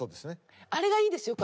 あれがいいですよ。